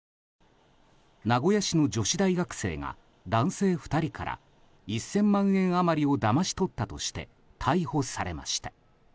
名古屋市の女子大学生が男性２人から１０００万円余りをだまし取ったとして逮捕されました。